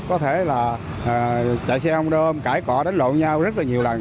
có thể là chạy xe hông đôm cãi cọ đánh lộn nhau rất nhiều lần